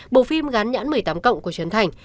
bộ phim gắn nhãn một mươi tám cộng của trấn thành